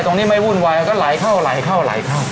ไม่วุ่นวายก็ไหลเข้าไหลเข้าไหลเข้า